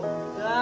あ